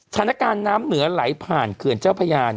ธนการณ์น้ำเหนือไหลผ่านเกือนเจ้าพญา